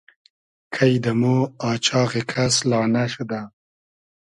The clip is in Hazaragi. کݷ دۂ مۉ آچاغی کس لانۂ شودۂ